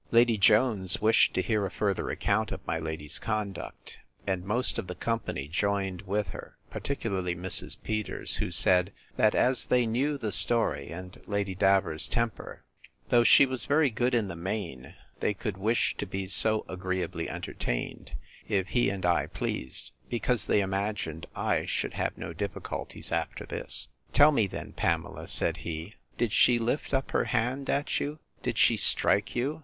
Lady Jones wished to hear a further account of my lady's conduct, and most of the company joined with her, particularly Mrs. Peters; who said, that as they knew the story, and Lady Davers's temper, though she was very good in the main, they could wish to be so agreeably entertained, if he and I pleased; because they imagined I should have no difficulties after this. Tell me, then, Pamela, said he, did she lift up her hand at you? Did she strike you?